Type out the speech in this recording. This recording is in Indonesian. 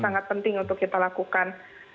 sangat penting untuk kita lakukan